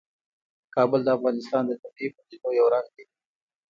کابل د افغانستان د طبیعي پدیدو یو رنګ دی.